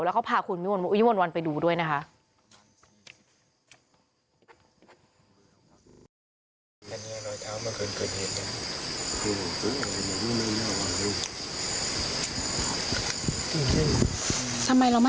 แล้วก็พาคุณวิมวลวันไปดูด้วยนะคะ